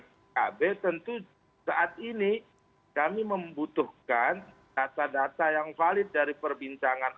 pkb tentu saat ini kami membutuhkan data data yang valid dari perbincangan